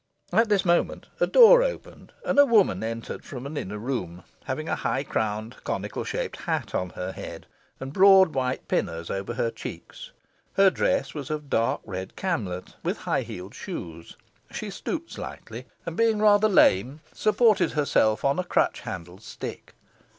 At this moment a door opened, and a woman entered from an inner room, having a high crowned, conical shaped hat on her head, and broad white pinners over her cheeks. Her dress was of dark red camlet, with high heeled shoes. She stooped slightly, and being rather lame, supported herself on a crutch handled stick.